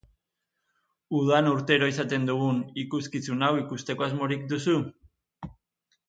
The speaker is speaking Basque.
Udan urtero izaten dugun ikuskizun hau ikusteko asmorik duzu?